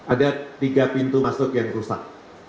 ada tiga pintu masuk yang rusak